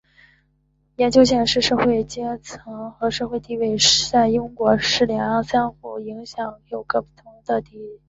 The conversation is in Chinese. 研究显示社会阶级和社会地位在英国是两样相互影响又各有不同的事物。